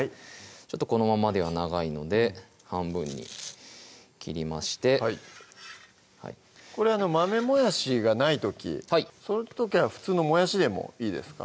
ちょっとこのままでは長いので半分に切りましてこれ豆もやしがない時その時は普通のもやしでもいいですか？